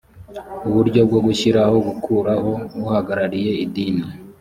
uburyo bwo gushyiraho, gukuraho uhagarariye idini